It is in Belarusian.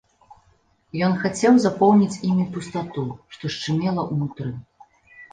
Ён хацеў запоўніць імі пустату, што шчымела ўнутры.